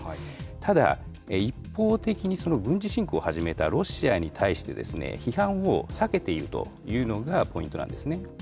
ただ、一方的に軍事侵攻を始めたロシアに対して、批判を避けているというのがポイントなんですね。